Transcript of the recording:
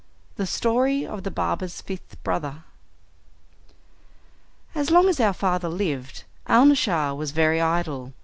The Story of the Barber's Fifth Brother As long as our father lived Alnaschar was very idle.